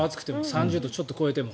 ３０度をちょっと超えても。